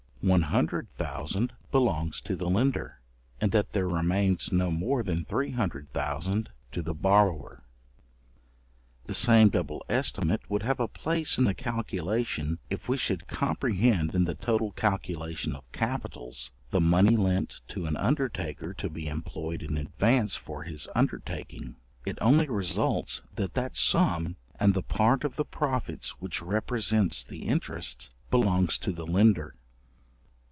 one hundred thousand belongs to the lender, and that there remains no more than 300,000 l. to the borrower. The same double estimate would have place in the calculation, if we should comprehend in the total calculation of capitals, the money lent to an undertaker to be employed in advance for his undertaking; it only results, that that sum, and the part of the profits which represents the interest, belongs to the lender.